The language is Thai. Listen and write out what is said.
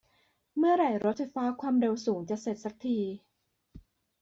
เมื่อไหร่รถไฟฟ้าความเร็วสูงจะเสร็จสักที